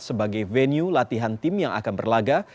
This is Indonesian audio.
sebagai venue latihan tim yang akan berlaga